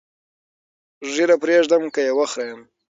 ږیره پرېږدم که یې وخریم؟